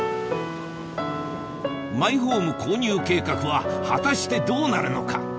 マイホーム購入計画は果たしてどうなるのか？